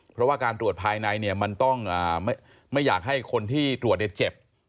เพราะว่าการตรวจภายในเนี่ยมันต้องไม่อยากให้คนที่ตรวจเจ็บ